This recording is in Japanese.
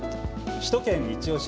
「首都圏いちオシ！」